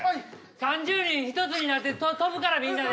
３０人一つになって跳ぶからみんなで。